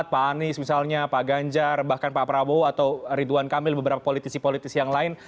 pak anies misalnya pak ganjar bahkan pak prabowo atau ridwan kamil beberapa politisi politisi yang lain